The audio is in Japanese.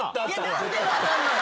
何で分かんのよ